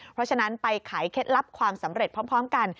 เพราะฉะนั้นไปขายเคล็ดลับความสำเร็จพร้อมกัน